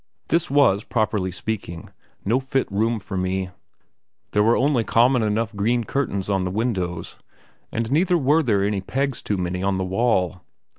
This was, properly speaking, no fit room for me: there were only common enough green curtains at the windows, and neither were there any pegs too many on the wall.